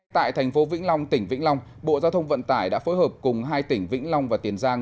tại thành phố vĩnh long tỉnh vĩnh long bộ giao thông vận tải đã phối hợp cùng hai tỉnh vĩnh long và tiền giang